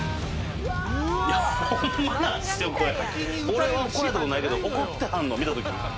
俺は怒られたことないけど怒ってはんの見たとき。